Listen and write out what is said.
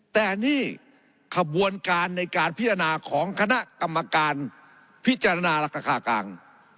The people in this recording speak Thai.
แต่นี่ขบวนการในการพิจารณาของคณะกรรมการพิจารณาราคากลาง